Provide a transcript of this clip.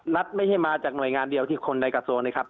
ไม่ใช่มาจากหน่วยงานเดียวที่คนในกระทรวงนะครับ